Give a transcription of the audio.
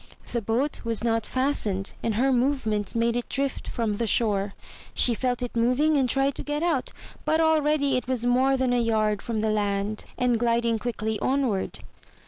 The boat was not fastened, and her movements made it drift from the shore. She felt it moving and tried to get out; but already it was more than a yard from the land, and gliding quickly onward.